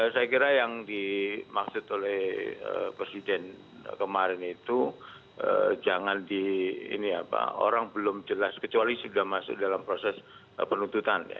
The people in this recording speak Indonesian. saya kira yang dimaksud oleh presiden kemarin itu jangan di ini apa orang belum jelas kecuali sudah masuk dalam proses penuntutan